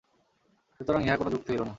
সুতরাং ইহা কোন যুক্তি হইল না।